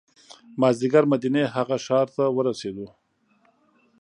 مازدیګر مدینې هغه ښار ته ورسېدو.